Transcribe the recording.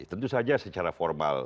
tentu saja secara formal